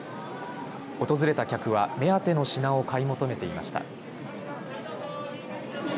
訪れた客は目当ての品を買い求めていました。